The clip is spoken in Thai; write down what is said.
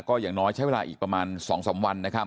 ก็อย่างน้อยใช้เวลาอีกประมาณ๒๓วันนะครับ